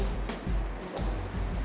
ya feeling gue sih pasti enggak